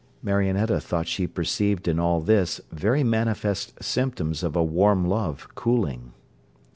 Marionetta thought she perceived in all this very manifest symptoms of a warm love cooling.